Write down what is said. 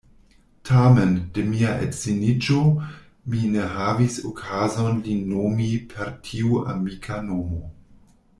Tamen, de mia edziniĝo, mi ne havis okazon lin nomi per tiu amika nomo.